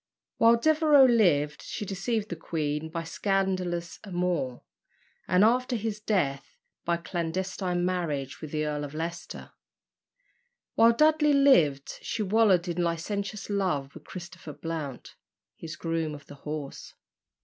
While Devereux lived, she deceived the queen by a scandalous amour, and, after his death, by a clandestine marriage with the Earl of Leicester. While Dudley lived, she wallowed in licentious love with Christopher Blount, his groom of the horse.